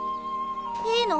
いいの？